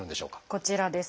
こちらです。